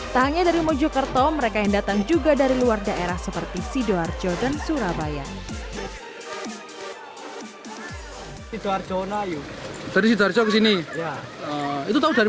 tak hanya dari mojokerto mereka yang datang juga dari luar daerah seperti sidoarjo dan surabaya